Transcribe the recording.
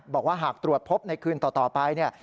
บอกว่าหากตรวจพบในคืนต่อไปเนี่ย